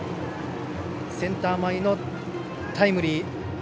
センター前へのタイムリー。